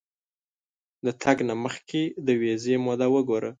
د تګ نه مخکې د ویزې موده وګوره.